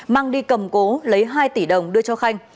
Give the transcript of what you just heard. mang đi cầm cố lấy hai tỷ đồng đưa cho khanh